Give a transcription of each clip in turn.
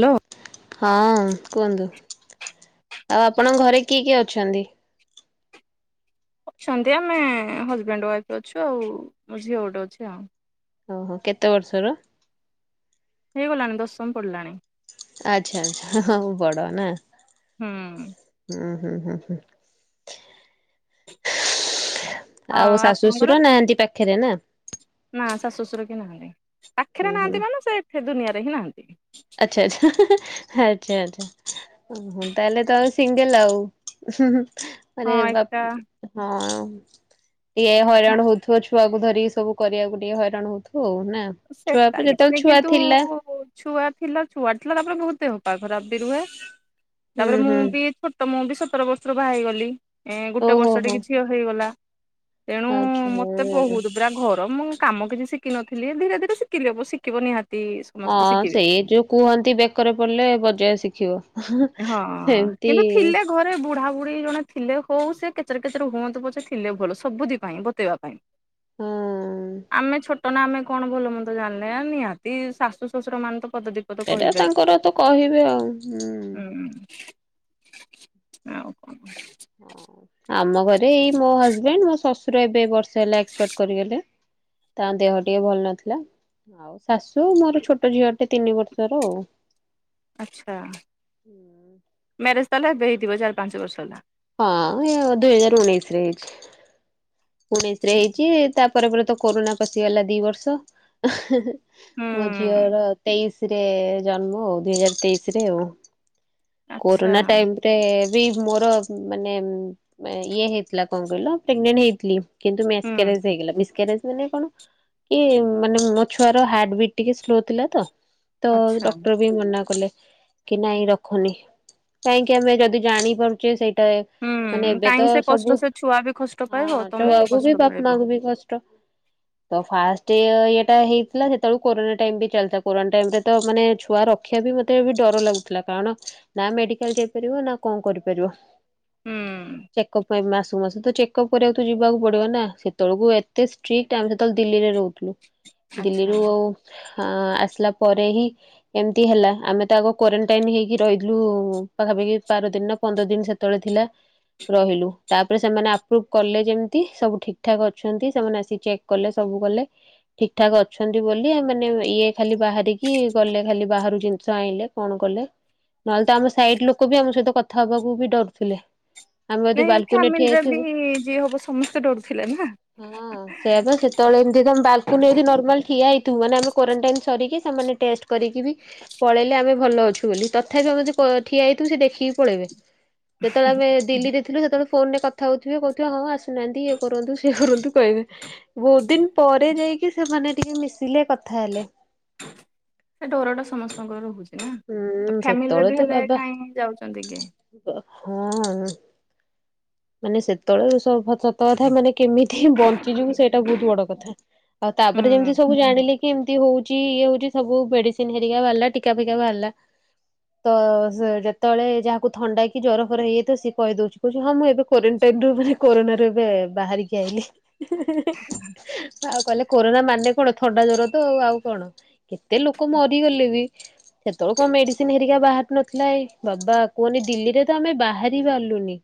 Hello. ହଁ କୁହନ୍ତୁ। ଆଉ ଆପଣଙ୍କ ଘରେ କିଏ କିଏ ଅଛନ୍ତି? ଅଛନ୍ତି ଆମେ ହଜବାଣ୍ଡ ୱାଇଫ ଅଛୁ, ଆଉ ମୋର ଝିଅ ଗୋଟେ ଅଛି ଆଉ। ଓହୋ କେତେ ବର୍ଷର? ହେଇଗଲାଣି ଦଶମ ପଢିଲାଣି। ଆଚ୍ଛା ଆଚ୍ଛା ହଉ ବଡ ନା। ହୁଁ। ହୁଁ ହୁଁ ହୁଁ ହୁଁ। ଆଉ ଶାଶୁ ଶଶୁର ନାହାନ୍ତି ପାଖ ପାଖେରେ ନ ନା ଶାଶୁ ଶଶୁର ବି ନାହାନ୍ତି। ହୁଁ ପାଖିରେ ହୁଁ ନାହାନ୍ତି ବା ନା ସେ ଏଠେ ଦୁନିଆରେ ସେନାହାନ୍ତି। ଆଚ୍ଛା ଆଚ୍ଛା ଆଛା ଆଚ୍ଛା ଓ ତାହେଲେ ତ ଆଉ ସିଙ୍ଗଲ ଆଉ ମ ହଁ ବା ଏକା ହଁ। ହୁଁ। [inaudible] ଇଏ ନା ହଇରାଣ ହଉଥିବ। ଛୁଆକୁ ଧରିିକି ସବୁ କରିବାକୁ ଟିକେ ହଇରାଣ ହଉଥୁ ଆଉ। ନା। ଛୁଆ ସେଟା ଯେତେବେଳେ କିଛି ନାାଇଁ ଛୁଆ କିନ୍ତୁ ଥିଲା ଛୁଆ ଥିଲା। ଛୁଆ ଥିଲା ତାପରେ ବହୁତ ହ ପା ଖରାପ ବି ରୁହେ। ହୁଁ ତାପରେ ମୁଁ ହୁଁ ବି ଛୋଟ ମୁଁ ବି ସତର ବର୍ଷରୁ ବାହା ହେଇଗଲି। ଏ ଗୋଟେ ଓହୋ ବର୍ଷ ହୋ ଟିକେ ଝିଅ ହେଇଗଲା। ତେଣୁ ମତେ ଆଚ୍ଛା। ବହୁତ ପୁରା ଘର ମୁଁ କାମ କିଛି ଶିଖିିନଥିଲି। ଧୀରେ ଧୀରେ ଶିଖି ହବ ଶିଖିବ ନିହାତି ହଁ ସମସ୍ତେ ଶିଖିବେ। ସେଇ ଯୋଉ କୁହନ୍ତି ବେକରେ ପଡିଲେ ବଜୟ ଶିଖିବ। ହଁ ସେମିତି କିନ୍ତୁ ଥିଲେ ଘରେ ବୁଢା କୁଡି ଜଣେ ଥିଲେ ହଉ ସେ କେତେରେ କେତରେ ହୁଅନ୍ତୁ ପଛେ ଥିଲେ ଭଲ ସବୁଥିି ପାଇଁ ବତେଇବା ପାଇଁ ହଁ ଆମେ ଛୋଟ ନା ଆମେ କଣ ଭଲ ମନ୍ଦ ଜାଣିଲେ ନିହାତି ଶାଶୁ ଶ୍ୱଶୁର ମାନେ ତ ପଦ ଦି ପଦ ସେଇଟା କହିବେ। ତାଙ୍କର ତ କହିବେ ଆଉ। ହୁଁ। ଆଉ କଣ ହଁ। ଆମ ଘରେ ଏଇ ମୋ ହଜବେଣ୍ଡ ମୋ ଶ୍ୱଶୁର ଏବେ ବର୍ଷ ସେ ହେଲା ଏକ୍ସପେଟ କରିଗଲେ। ତାଙ୍କ ଦେହ ଟିକେ ଭଲ ନଥିଲା ଆଉ ଶାଶୁ ମୋର ଛୋଟ ଝିଅ ଗୋଟେ ତିନି ବର୍ଷର ଆଉ ଆଛା ମ ତାହେଲେବେ ହେଇଥିବ ଚାର ପାଞ୍ଚ ବର୍ଷ ହେଲା ହଁ ଦୁଇ ହଜାର ଉଣେଇଶରେ ଉଣେଇଶରେ ହେଇଛି ତାପ ପରେ ପରେ ତ କରୋନା ପଶିଗଲା ଦି ବର୍ଷ ହୁଁ ମୋ ଝିଅ ର ତେଇଶ ରେ ଜନ୍ମ ଆଉ ଦୁଇ ହଜାର ତେଇଶିରେ ଆଉ ଆଚ୍ଛା କୋରୋନା ଟାଇମ ରେ ବି ମୋର ମାନେ ଇଏ ହେଇଥିଲା କଣ କହିଲ ପ୍ରେଗନଣ୍ଟ ହେଇଥିଲି କିନ୍ତୁ ହୁଁ। ମସ୍ଜ ହେଇଗଲା ମିାରେଜ ମାନେ କଣ କି ମାନେ ମୋ ଛୁଆର ହାର୍ଟ ବିଟ୍ ଟିକେ ସ୍ଲୋ ଥିଲା ତ ତ ଆଚ୍ଛା ଡକ୍ଟର ବି ମନା କଲେ କି ନାଇଁ ରଖୁନି। କାହିଁକି ଆମେ ଯଦି ଜାଣିପାରୁଛେ ସେଇଟା ମାନେ ହୁଁ ଏବେ କାହିଁ ତ ସେ କଷ୍ଟ ସବୁ ସେ ଛୁଆ ବି କଷ୍ଟ ପାଇବ ହ ତମେ ଛୁଆକୁ କଷ୍ଟ ବି ପାଇବ। ବାପା ମାଙ୍କୁ ବି କଷ୍ଟ ତ ଫାଷ୍ଟ ଇଟା ହେଇଥିଲା ସେତେବେଳଳେ କୋରୋନା ଟାଇମ ବି ଚାଲିଥିଲା କୋରୋନା ଟାଇମ ରେ ତ ମାନେ ଛୁଆ ରଖିବା ବି ମତେ ବି ଡର ଲାଗୁଥିଲା କାରଣ ନା ମେଡିକାଲ ଯାଇପାରିବ ନା କଣ କରିପାରିବ ହୁଁ ଚେକଅପ୍ ମାସକୁ ମାସ ତ ଚେକଅପ୍ କରିବାକୁ ତ ଯିବାକୁ ପଡିବ ନା ସେତେବେଳକୁ ଏତେ ଷ୍ଟ୍ରିକଟ ଆମେ ସେତେବେଳେ ଦିଲ୍ଲୀରେ ରହୁଥିଲୁ ଆଚ୍ଛା ଦିଲ୍ଲୀରୁ ଆଉ ହଁ ଆସିଲା ପରେ ହିଁ ଏମିତି ହେଲା ଆମେ ତ ଆଗ କ୍ୱାରେଣ୍ଟାଇନ ହେଇକି ରହି ପାଖାପାଖି ବାର ଦିନ ନା ପନ୍ଦର ଦିନ ସେତେବେଳେ ଥିଲା ରହିଲୁ ତାପରେ ସେମାନେ ଆପ୍ରୁଭ କଲେ ଯେମିତି ସବୁ ଠିକ ଠାକ ଅଛନ୍ତି ସେମାନେ ଆସିିକି ଚେକ୍ କଲେ ସବୁ କଲେ ଠିକ ଠାକ ଅଛନ୍ତି ବୋଲିମାନେେ ଇଏ ଖାଲି ବାହାରିକି ଗଲେ ଖାଲି ବାହ ଜିନିଷ ଆଣିଲେ କଣ କଲେ ନହେଲେ ତ ଆମ ସାଇଟ ଲୋକ ବି ଆମ ସହିତ କଥା ହବାକୁ ବି ଡରୁଥିଲେ ଆମେ ଯଦି ନାଇଁ ବାଲକୁନି ଠିଆ ଫ୍ୟାମିଲିରେ ବି ହେଇଥିବୁ ଯିଏ ହବ ସମସ୍ତେ ଡରୁଥିଲେ ନା। ହଁ ସେ ସେତେବେଳେ ଏମ ବାଲକୁନ ନର୍ମା ଠିଆ ହେଇ ତୁମାନେ ଆମେ କ୍ୱାରେଣ୍ଟାଇନ ସରିକି ସେମାନେ ଟେଷ୍ଟ କରିକି ବି ପଳେଇଲେ ଆମେ ଭଲ ଅଛୁ ବୋଲି ତଥାପି ଆମେ ଯ ଠିଆ ହେଇଥିବୁ ସେ ଦେଖିକି ପଳେଇବେ ଯେତେବେଳେ ଆମେ ଦିଲ୍ଲୀରେ ଥିଲୁ ସେତେବେଳେ ଫୋନ ରେ କଥା ହଉଥିବେ କହୁଥିବ ହଁ ଆସୁନାହାନ୍ତି ଇଏ କରନ୍ତୁ ସେିଏ କରନ୍ତୁ କହିବେ ବହୁତ ଦିନ ପରେ ଯାଇକି ସେମାନେ ଟିକେ ମିଶିଲେ କଥା ହେଲେ ସେ ଡର ଟା ସମସ୍ତଙ୍କର ରହୁଛି ଉ ହୁଁ ଫ୍ୟାମିଲିରେ ସେତେବେଳେ ବି ତ ହେଲେ ବାବା କାହିଁ ଯାଉଛନ୍ତି କି ହଁ ମାନେ ସେତେବେଳେ ସତକଥା ମାନେ କେମିତି ବଞ୍ଚିଯିବୁ ସେଇଟା ବହୁତ ବଡ କଥା ଆଉ ହୁଁ ତାପରେ ଯେମିତି ସବୁ ଜାଣିଲେ କି ଏମିତି ହଉଛି ଇଏ ହଉଛି ସବୁ ମେଡିସିନ ହେରିକା ବାହାରିଲା ଟିକା ଫିକା ବାହାରିଲା ତ ଯେତେବେଳେ ଯାହାକୁ ଥଣ୍ଡା ହେଇକି ଜର ଫର ହେଇଯାଇ ତ ସିଏ କହିଦଉଛି କହୁଛି ହଁ ମୁଁ ଏବେ କୋଣ୍ଟାଇନ ରୁ ମାନ କରୋ ଏବେ ବାହାରିକି ଆଇଲି ଆଉ କଲେ କୋରୋନା ମାନେ କଣ ଥଣ୍ଡା ଜଵର ତ ଆଉ କଣ କେତେ ଲୋକ ମରିଗଲେ ବି ସେତେବେଳେ କଣ ମେଡିସିନ ହେରିକା ବାହାର ନଥିଲା ବାବା କୁହନି ଦିଲ୍ଲୀରେ ତ ଆମେ ବାହାରି ପାରିଲୁନି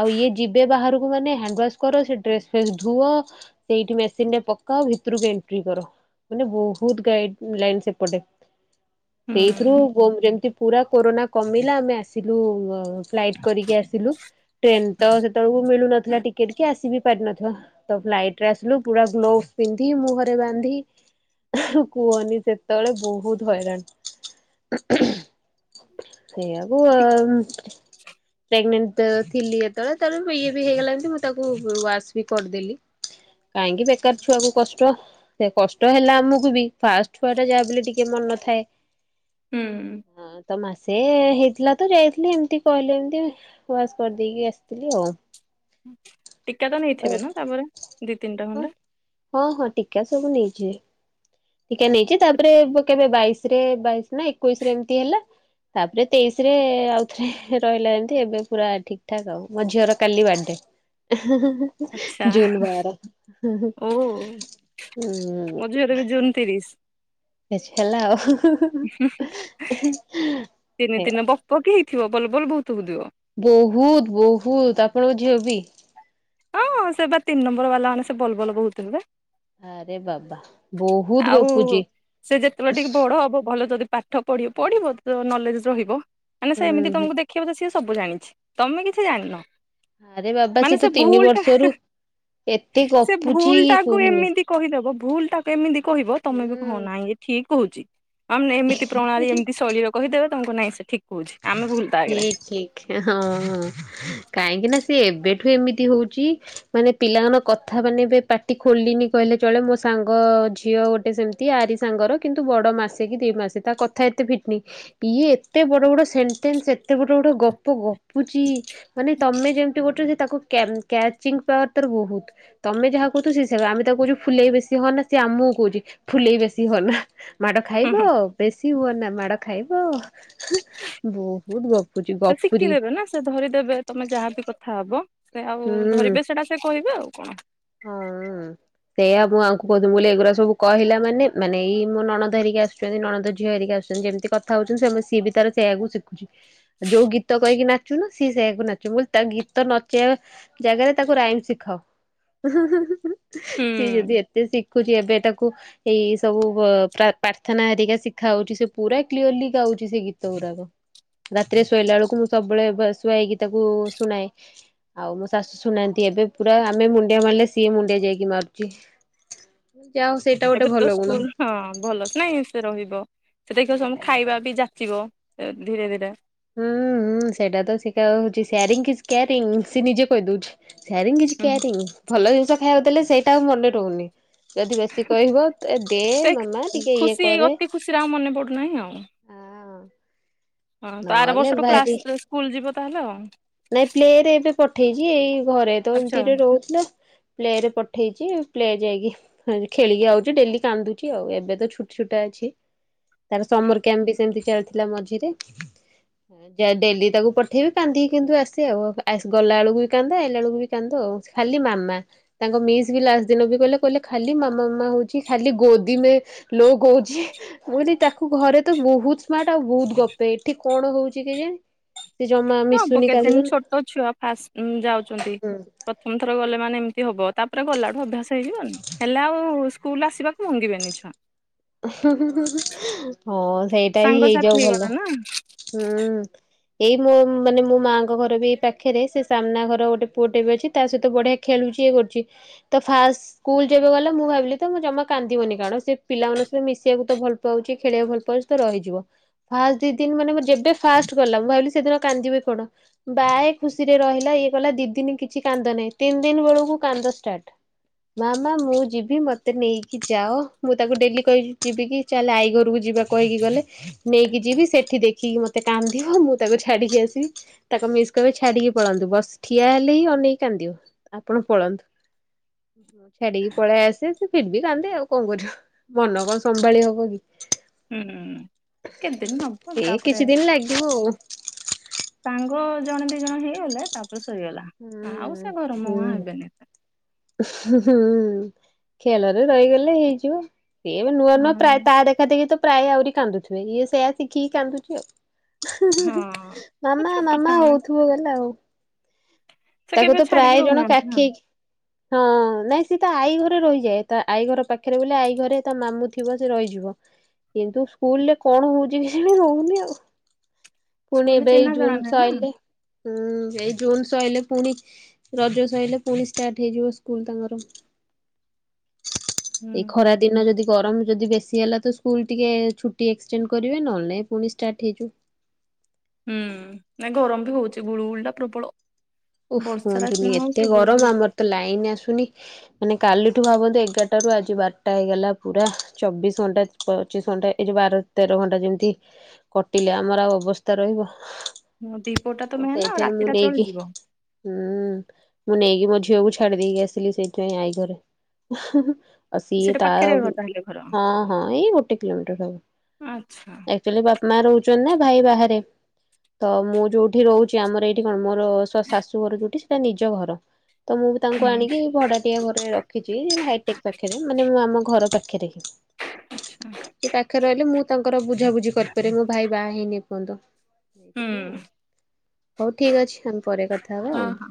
ଆଉ ଇଏ ଯିବେ ବାହାରକୁ ମାନେ ହ୍ୟାଣ୍ଡୱାସ କର ଡ୍ରେସ ଫେସ ଧୁଅ ସେଇଠି ମେସିନ ରେ ପକାଅ ଭିତରକୁ ଏଣ୍ଟ୍ରି କର ମାନେ ବହୁତ ଗାଇଡ ଲାଇନ ସେପଟେ ସେଇଥିରୁ ହୁଁ। ଯେମିତି ପୁରା କୋରୋନା କମିଲା ଆମେ ଆସିଲୁ ଫ୍ଲାଇଟ କରିକି ଆସିଲୁ ଟ୍ରେନ ତ ସେତେବେଳକୁ ମିଳୁନଥିଲା ଟିକେଟ କି ଆସିିବ ବି ପାରିନିବ ତ ଫ୍ଲାଇଟ ରେ ଆସିଲୁ ପୁରା ଗ୍ଲୋଭସ ପିନ୍ଧି ମୁହଁରେ ବାନ୍ଧି କୁହନି ସେତେବେଳେ ବହୁତ ହଇରାଣ ସେଇଆବୁ ଟି ପ୍ରେଗନଣ୍ଟ ତ ଥିଲି ଯେତେବେଳେ ତାପ ଇଏ ବି ହେଇଗଲାଣି ମୁଁ ତାକୁ ୱାସ ବି କରିଦେଲି କାହିଁକି ବେକାର ଛୁଆକୁ କଷ୍ଟ ସେ କଷ୍ଟ ହେଲା ଆମକୁ ବି ଫାଷ୍ଟ ଛଆ ଟା ବ ବୋଲି ଟିକେ କିଏ ମନ ନଥାଏ ହୁଁ ହଁ ତମାସ ସେ ହେଇଥିଲା ତ ଯାଇଥିଲି ଏମତି କହିଲେ ଏମତି ଯୋଉ ଆସ୍ କରିଦେଇକି ଆସିଥିଲି ଆଉ। ଟୀକା ତ ହଁ ନେଇଥିବେ ନାଁ ତାପରେ ଦି ତିନିଟା ଖଣ୍ଡେ। କା ସବୁ ନେଇଚି। ଟୀକା ନେଇଚେ ତାପରେ ବ କେବେ ବାଇଶରେ ବାଇଶ ନାଁ ଏକୋଇଶରେ ଏମତି ହେଲା ତାପରେ ତେଇଶରେ ଆଉଥରେ ରହିଲା ଯେମିତି ଏବେ ପୁରା ଠିକ ଠାକ ଆଉ ମୋ ଝିଅର କାଲି ବାଡେ ଆଚ୍ଛା ଜୁନ୍ ବାର ହଁ। ଓ ମୋ ଝିଅର ବି ଜୁନ ତିରିଶ ଇଚ୍ ହେଲା ଆଉ। ଦିନେ ଦିନେ ବପକି ଥିବ ବଲ ବଲ ବୋହୁତ ହୋଉଥିବ। ବୋହୁତ ବୋହୁତ ଆପଣଙ୍କ ଝିଅ ବି। ହଁ ସେ ପା ତିନି ନମ୍ବର ବାଲା ମାନେ ସେ ବଲ ବଲ ବୋହୁତ ହେବେ। ଆରେ ବାବା ବୋହୁତ ଆଉ ଗପୁଚି। ସେ ଯେତେବେଳେ ଟିକେ ବଡ ହବ ଭଲ ଯଦି ପାଠ ପଢି ପଢ଼ିବ ତ ନଲେଜ ରହିବ। ଆନେ ହୁଁ ସେ ଏମିତି ହୁଁ। ତମୁକୁ ଦେଖିବ ତ ସିଏ ସବୁ ଜାଣିଚି ତମେ କିଛି ଜାଣିନ। ଆରେ ବବା ମାନେ ସିଏ ସେ ତ ତିନି ଭୁଲ ବର୍ଷରୁ ଏତେ ଗପୁଚି କୁହନି। ଦବ ଭୁଲଟା କେମିତି କହିବ ତମେ ବି କ ହଁ ହୁଁ ନାଇଁ ଏ ଠିକ କହୁଚି। ଆ ମାନେ ଏମିତି ପ୍ରଣାଳୀ ଏମତି ଶୈଳୀରେ କହିଦେବେ ତମୁକୁ ନାଇଁ ସେ ଠିକ୍ ଠିକ ଠିକ ଏ ହଁ। କାଇଁକି ନାଁ ସିଏ ଏବେଠୁ ଏମିତି ହୋଉଚି ମାନେ ପିଲାମାନଙ୍କ କଥା ମାନେ ଏବେ ପାଟି ଖୋଲିନି କହିଲେ ଚଳେ ମୋ ସାଙ୍ଗ ଝିଅ ଗୋଟେ ସେମତି ଆରି ସାଙ୍ଗର କିନ୍ତୁ ବଡ଼ ମାସେ କି ଦି ମାସେ ତା କଥା ଏତେ ଫିଟନି ଇଏ ଏତେ ବଡ଼ ବଡ଼ ସେଣ୍ଟେନ୍ସ ଏତେ ବଡ଼ ବଡ଼ ଗପ ଗପୁଚି ମାନେ ତମେ ଯେମତି କରୁଚ ସେ ତାକୁ କ୍ୟାମ୍ କ୍ୟାଚିଂ ପାୱାର ତାର ବୋହୁତ ତମେ ଯାହା କୋହୁଥୁବ ସେ ସେବ ଆମେ ତାକୁ କୋହୁଚୁ ଫୁଲେଇ ବେଶି ହନା ସିଏ ଆମୁକୁ କୋହୁଚି ଫୁଲେଇ ବେଶୀ ହଅନା। ମାଡ଼ ହୁଁ ଖାଇବ ହୁଁ। ପ୍ରେସ୍ ସି ହୁଅନା ମାଡ଼ ଖାଇବ। [unintelligible] ବୋହୁତ ଗପୁଚି ଗପୁରୀ। ଯାହା ବି କଥା ହବ। ସେ ଆଉ ହୁଁ ଧରିବେ ସେଟା ସେ କହିବେ ଆଉ। କଣ? ହଁ ଉଁ ସେଇଆ ମୁଁ ଆଙ୍କୁ କହୁଥୁ ମୁଁ କଲି ଏଗୁରା ସବୁ କହିଲା ମାନେ ମାନେ ଏଇ ମୋ ନଣନ୍ଦ ହେରିକା ଆସୁଚନ୍ତି ନଣନ୍ଦ ଝିଅ ହେରିକା ଆସୁଚନ୍ତି ଯେମତି କଥା ହୋଉଚନ୍ତି ସେମତି ସିଏ ବି ତାର ସେଇଆକୁ ଶିଖୁଚି ଆ ଯୋଉ ଗୀତ କହିକି ନାଚୁନ ସିଏ ସେଇଆକୁ ନାଚୁ ମୁଁ କଇଲି ତା ଗୀତ ନଚେଇବା ଜାଗାରେ ତାକୁ ରାଇମ ଶିଖାଅ। [inaudible] ସିଏ ହୁଁ। ଯଦି ଏତେ ସି ଶିଖୁଛି ଏବେ ତାକୁ ଏଇ ସବୁ ପ୍ରାର୍ଥନା ହରିକା ଶିଖା ହଉଛି ସେ ପୁରା କ୍ଲିୟରଲି ଗାଉଛି ସେ ଗୀତ ଗୁଡାକ ରାତିରେ ଶୋଇଲା ବେଳକୁ ମୁଁ ସବୁବେଳେ ଶୁଆଇକି ତାକୁ ଶୁଣାଏ ଆଉ ମୋ ଶାଶୁ ଶୁନାନ୍ତି ଏବେ ପୁରା ଆମେ ମୁ ଡିଆ ମାନିଲେ ସିଏମ୍ ମୁଡିଆ ଯାଇକି ମାରୁଛି। ଯାହା ହଉ ସେଇଟା ଗୋଟେ ଏବେ ଭଲ ତ ଗୁଣ। ସ୍କୁଲ ହଁ ଭଲସ ନାଇ ସେ ରହିବ। ସେଟା ସୁ ଖାଇବା ବି ଯା ଯିବ ଧୀରେ ଧୀରେ ହୁଁ ସେଇଟା ତ ସେ ହଉଛିରାରି ସେ ନିଜେ କହିଦଉଛି। ସେୟାରିଂ କିଛି ହୁଁ କେ୍ୟାରିଙ୍ଗ ଭଲ ଜିନ ଉଲେ ସେଇଟା ଆ ମନେ ରହୁନି। ଯଦି ବେଶୀ କହିବ ଦେ ସେ ମାମା ଟିକେ ଇଏ ଖୁସି ଏଇ କରେ। ଅତି ଖୁସିରେ ଆଉ ମନେ ପଡୁନାହିଁ ଆଉ। ହଁ ତ ଆର ନହେଲେ ବର୍ଷଠୁ ଭାରି କ୍ଲାସ ସ୍କୁଲ ଯିବ। ତାହେଲେ। ନାଇଁ ପ୍ଲେ ରେ ଏବେ ପଠେଇଛି ଏଇ ଘରେ ତ ଆଚ୍ଛା ଏମିତିରେ ରହୁଛି ନା। ପ୍ଲେ ରେ ପଠେଇଛି ପ୍ଲେ ଯାଇକି ଖେଳିକି ଆଉଛି ଡେଲି କାନ୍ଦୁଛି ଆଉ ଏବେ ତ ଛୁଟ ଛୁଟ ଅଛି। ତାର ହୁଁ। ସମର କ୍ୟାମ୍ପ ସେମିତି ଥିଲା ମଝିରେ ଯ ଡେଲି ତାକୁ ପଠେଇବି କାନ୍ଧି କିନ୍ତୁ ଆସେ ଆଉ ଗଲା ବେଳକୁ ବି କାନ୍ଦ ଆଇଲାା ବେଳକୁ ବି କାନ୍ଦ ଆଉ ଖାଲି ମାମା ତାଙ୍କ ମିସ୍ ବି ଲାଷ୍ଟ ଦିନ ବି କହିଲେ କହିଲେ ଖାଲି ମାମା ମାମା ହଉଛି ଖାଲି ଗୋଦି ଲୋଉଛି ବ ତାକୁ ଘରେ ତ ବହୁତ ସ୍ମାର୍ଟ ଆଉ ବହୁତ ଗପେ ଏଠି କଣ ହଉଛି କେଜାଣି। ସେ ଜମା ମି କେଦିନ ଛୋଟ ଛୁଆ ଫାଷ୍ଟ ଯାଉଛନ୍ତି ପ୍ରଥମ ଥର ଗଲେ। ମାନେ ଏମିତି ହବ ତାପରେ ଗଲାଠୁ ଅଭ୍ୟାସ ହେଇଯିବନି ହେଲେ ଆଉ ସ୍କୁଲ ଆସିବାକୁ ମଙ୍ଗିବେନି ଛୁଁଆ। ହଁ ସେଇଟା ହିଁ ସାଙ୍ଗସାଥି ହେଇଯାଉ ହେଇଗଲା ଭଲ। ନା ହୁଁ ଏଇ ମୋ ମାନେ ମୋ ମାଆଙ୍କ ଘର ବି ଏଇ ପାଖରେ ସେ ସାମ୍ନା ଘର ଗୋଟେ ପୁଅଟେ ବି ଅଛି ତା ସହିତ ବଢିଆ ଖେଳୁଛି ଇଏ କରୁଛି ତ ଫାଷ୍ଟ ସ୍କୁଲ ଯବେ ଗଲେ ମୁଁ ଭାବିଲି ତ ମୁଁ ଜମା କାନ୍ଦିବନି କାରଣ ସେ ପିଲାମାନଙ୍କ ସହିତ ମିଶିବାକୁ ତ ଭଲ ପାଉଛି ଖେଳିବାକୁ ଭଲ ପାଉଛି ତ ରହିଯିବ ଫାଷ୍ଟି ସେ ଦିନ ମାନେ ଯେବେ ଫାଷ୍ଟ ଗଲା ମୁଁ ଭାବିଲି ସେଦିନ କାନ୍ଦିବି କଣ। ବା ଖୁସି ରହିଲା ଇଏ କଲା ଦି ଦିନ କିଛି କାନ୍ଦ ନାହିଁ ତିନି ଦିନ ବେଳକୁ କାନ୍ଦ ଷ୍ଟାର୍ଟ ମା ମା ମୁଁ ଯିବି ମତେ ନେଇକି ଯାଅ ମୁଁ ତାକୁ ଡେଲି କହିି ଯିବି କି ଚାଲେ ଆଇ ଘରକୁ ଯିବା କହିକି ଗଲେ ନେଇକି ଯିବି। ସେଠି ଦେଖିକି ମତେ କାନ୍ଦିିବ ମୁଁ ତାକୁ ଛାଡିକି ଆସିବି ତାକୁ ମିସ୍ କିବେ ଛାଡିକି ପଳାନ୍ତୁ ବସ ଠିଆ ହେଲେ ହି ଅନେଇକି କାନ୍ଦିବ ଆପଣ ପଳାନ୍ତୁ ଛାଡିକି ପଳେଇ ଆସେ ଫର ବି କାନ୍ଦେ ଆଉ କଣ କରିବ ମନ କଣ ସମ୍ଭାଳି ହବ କି। ହୁଁ କେଦିନ ମ ଏଇ କିଛି ଦିନ ଲାଗିବ ଆଉ। ପ ଜଣେ ଦି ଜଣ ହେଇଗଲେ ତାରେ ରୋଷଇଗଲା ଆଉ ହୁଁ ସେ ଘରମ ହୁଁ ମୁଆଁ ହେବେନି। ହୁଁ ଖେଳରେ ରହିଗଲେ ହେଇଯିବ। ଏ ନୂଆ ନହଁ ହଁ ପ୍ର ତା ଦେଖା ଦେଖି ତ ପ୍ରାୟ ଆହୁରି କାନ୍ଦୁଥିବେ ଇଏ ସେୟା ଶିଖିକି କାନ୍ଦୁଛି ଆଉ। ହଁ ମାମା ଛୋଟ ଛୁଆ ମାମା ମାନେ ହଉଥିବ ଗଲା ଆଉ ସେ ତାକୁ କେବେ ତ ଛାଡିକି ପ୍ରାୟ ଜଣ ରହୁନାହାନ୍ତି ନା କାଖେଇ ହଁ ନାଇଁ ସିଏ ତ ଆଈ ଘର ରହିଯାଏ ତା ଆଈ ଘର ପାଖରେ ବୋଲି ଆଇ ଘରେ ତା ମାମୁ ଥିବ ସେ ରହିଯିବ କିନ୍ତୁ ସ୍କୁଲରେ କଣ ହଉଛି କେଜାଣି ରହୁନି ଆଉ ପୁଣି ସ୍କୁଲରେ ଏବେ ଏଇ ଚିହ୍ନା ଜଣା ଜୁନ୍ ନାହିଁ ଛଅ ନା ଆଇଲେ ହୁଁ ଏଇ ଜୁନ୍ ଛଅ ଆଇଲେ ପୁଣି ରଜ ସଇଲେ ପୁଣି ଷ୍ଟାର୍ଟ ହେଇଯିବ ସ୍କୁଲ ତାଙ୍କର ହୁଁ। ଏଇ ଖରା ଦିନ ଯଦି ଗରମ ଯଦି ବେଶୀ ସି ହେଲା ତ ସ୍କୁଲ ଟିକେ ଛୁଟି ଏକ୍ସଟେଣ୍ଡ କରିବେ ନହେଲେ ନାଇଁ ପୁଣି ଷ୍ଟାର୍ଟ ହେଇଯିବ। ହୁଁ ନାଇଁ ଗରମ ବି ହଉଛି ଗୁଳୁଗୁଳି ଟା ପ୍ରବଳ। ଓଃ ବର୍ଷା ଟା କୁହନ୍ତୁନି ସିନା ଏତେ ହଉଛି ଗରମ ଗୁଳୁଗୁଳି ଆମର ତ ଲାଇନ ଆସୁନି ମାନେ କାଲି। ଠୁ ଭାବନ୍ତୁ ଏଗାରଟାରୁ ଆଜି ବାରଟା ହେଇଗଲା ପୁରା ଚବିଶ ଘଣ୍ଟା ପଚିଶ ଘଣ୍ଟା ଏ ଯଉ ବାର ତେର ଘଣ୍ଟା ଯେମିତି କଟିଲେ ଆମର ଆଉ ଅବସ୍ଥା ରହିବ। ହ ଦିପହର ଟା ତ ମେନ ଆଉ ସେଇଥିପାଇଁ ମୁଁ ରାତିଟା ନେଇକି ଚଳିଯିବ। ହୁଁ ମୁଁ ନେଇକି ମୋ ଝିଅକୁ ଛାଡି ଦେଇକି ଆସିଲି ସେଇଥିପାଇଁ ଆଈ ଘରେ ଆଉ ସିଏ ସେଟା ତା ପାଖରେ ଘର ହଁ ତାହେଲେ ଘର ହଁ ଏଇ ଗୋଟେ କିଲୋମିଟର ଆଚ୍ଛା ହବ ଆକ୍ଚୁଆଲି ବାପା ମା ରହୁଛନ୍ତି ନା। ଭାଇ ବାହାରେ ତ ମୁଁ ଯୋଉଠି ରହୁଛି ଆମର ଏଇଠି କଣ ମୋର ଶାଶ ଶୁ ଘର ଯୋଉଠି ସେଇଟା ନିଜ ଘର। ତ ମୁଁ ବି ତାଙ୍କୁ ହୁଁ ଆଣିକି ଭଡାଟିଆ ଘରେ ରଖିଛି ହାଇଟେକ୍ ପାଖରେ ମାନେ ମୁଁ ଆମ ଘର ପାଖରେ। ପାଖରେ ହିଁ ସେ ପାଖରେ ରହିଲେ ମୁଁ ତାଙ୍କୁ ତାଙ୍କର ବୁଝାବୁଝି କରିପାରିବି ମୋ ଭାଇ ବାହା ହେଇନି ଏ ପର୍ଯ୍ୟନ୍ତ ଏଇଥିପାଇଁ ଆଉ ହୁଁ ହଉ ଠିକ ଅଛି ଆମେ ପରେ କଥା। ହବା ହଁ ଆଉ। ହଁ।